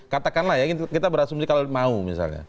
katakanlah ya kita berasumsi kalau mau misalnya